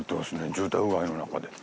住宅街の中で。